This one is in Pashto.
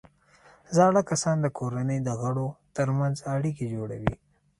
زاړه کسان د کورنۍ د غړو ترمنځ اړیکې جوړوي